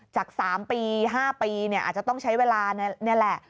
จาก๓ปี๕ปีอาจจะต้องใช้เวลานี่แหละ